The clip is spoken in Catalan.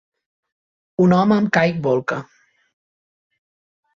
Un home amb caic bolca.